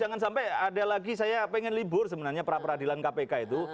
jangan sampai ada lagi saya pengen libur sebenarnya pra peradilan kpk itu